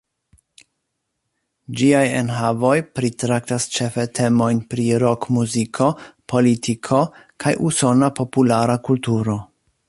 Ĝiaj enhavoj pritraktas ĉefe temojn pri rokmuziko, politiko, kaj usona populara kulturo.